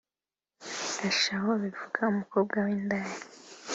“Ashawo bivuga umukobwa w’indaya(whore)